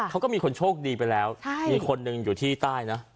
เขาก็มีคนโชคดีไปแล้วมีคนหนึ่งอยู่ที่ใต้นะ